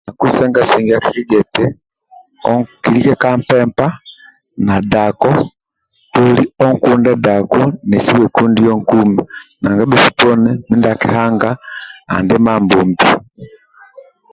Kusenga sengia akigia eti oli olike ka mpempa na dako toli onkunde dako nesi wekundio nkumi nanga bhsu poni mindia akihanga andi Mambombi